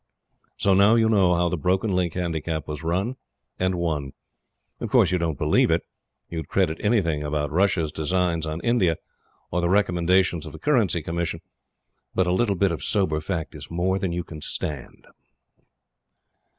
So now you know how the Broken Link Handicap was run and won. Of course you don't believe it. You would credit anything about Russia's designs on India, or the recommendations of the Currency Commission; but a little bit of sober fact is more than you can stand!